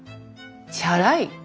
チャラい。